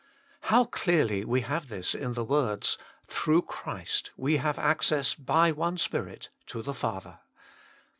How clearly we have this in the words, " Through Christ we have access by one Spirit to the Father."